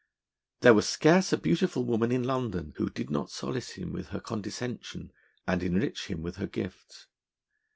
There was scarce a beautiful woman in London who did not solace him with her condescension, and enrich him with her gifts.